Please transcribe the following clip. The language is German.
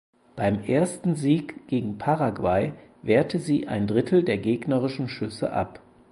Beim ersten Sieg gegen Paraguay wehrte sie ein Drittel der gegnerischen Schüsse ab.